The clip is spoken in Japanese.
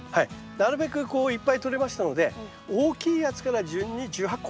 なるべくこういっぱいとれましたので大きいやつから順に１８個。